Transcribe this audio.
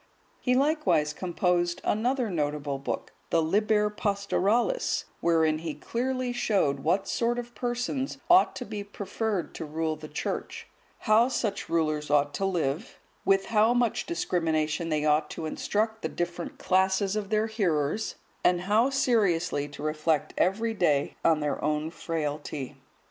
He likewise composed another notable book, the "Liber Pastoralis," wherein he clearly showed what sort of persons ought to be preferred to rule the Church; how such rulers ought to live; with how much discrimination they ought to instruct the different classes of their hearers, and how seriously to reflect every day on their own frailty.